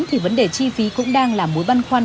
thì vấn đề chi phí cũng đang là mối băn khoăn